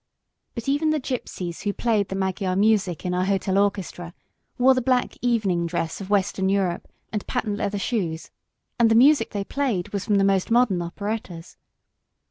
But even the Gypsies who played the Magyar music in our hotel orchestra, wore the black evening dress of western Europe and patent leather shoes, and the music they played was from the most modern operettas.